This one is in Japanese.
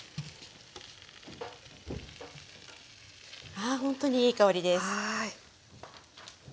あほんとにいい香りです。